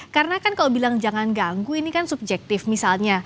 karena kan kalau bilang jangan ganggu ini kan subjektif misalnya